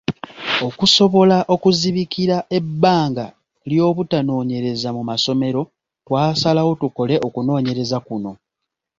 Okusobola okuzibikira ebbanga ly'obutanoonyereza mu masomero, twasalawo tukole okunoonyereza kuno.